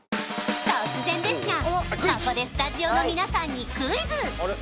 突然ですがここでスタジオの皆さんにクイズ